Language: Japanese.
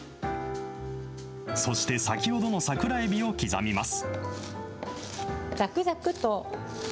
そして先ほどの桜えびを刻みます。